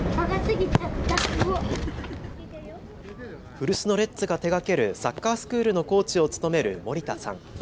古巣のレッズが手がけるサッカースクールのコーチを務める盛田さん。